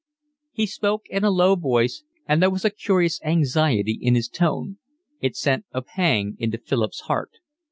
He spoke in a low voice, and there was a curious anxiety in his tone. It sent a pang into Philip's heart.